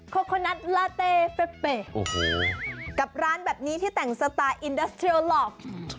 โคนัสลาเต้เฟะโอ้โหกับร้านแบบนี้ที่แต่งสไตล์อินดัสเทรลอป